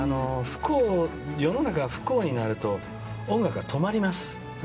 世の中が不幸になると音楽が止まります。